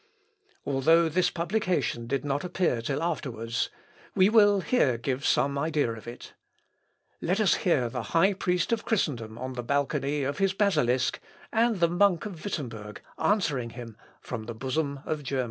Although this publication did not appear till afterwards, we will here give some idea of it. Let us hear the high priest of Christendom on the balcony of his Basilisk, and the monk of Wittemberg answering him from the bosom of Germany.